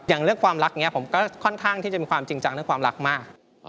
อย่างเรื่องความรักนี้ผมก็ค่อนข้างที่จะมีความจริงจังเรื่องความรักมาก